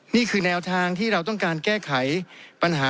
นี่คือแนวทางที่เราต้องการแก้ไขปัญหา